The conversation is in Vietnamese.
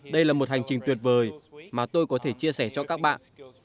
đây là một hành trình tuyệt vời mà tôi có thể chia sẻ cho các bạn